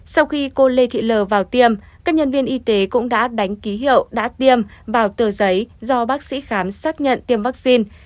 sau khi cô lê thị l vào tiêm các nhân viên y tế cũng đã đánh ký hiệu đã tiêm vào tờ giấy do bác sĩ khám xác nhận tiêm vaccine